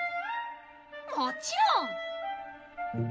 もちろん！